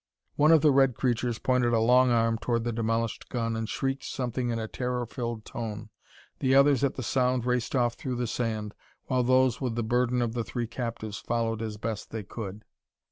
One of the red creatures pointed a long arm toward the demolished gun and shrieked something in a terror filled tone. The others, at the sound, raced off through the sand, while those with the burden of the three captives followed as best they could.